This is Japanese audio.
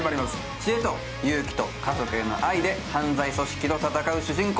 知恵と勇気と家族への愛で犯罪組織と戦う主人公。